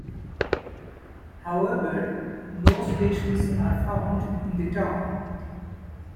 However, no stations are found in the town.